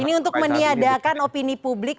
ini untuk meniadakan opini publik